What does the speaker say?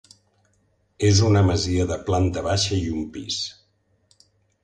És una masia de planta baixa i un pis.